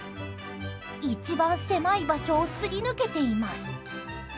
一番狭い場所をすり抜けています。